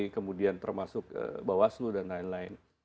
kemudian termasuk bawaslu dan lain lain